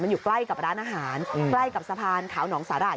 อยู่ใกล้กับร้านอาหารใกล้กับสะพานขาวหนองสาหร่าย